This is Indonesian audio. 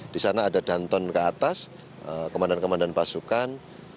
disana ada danton ke atas kemandan kemandan pasukan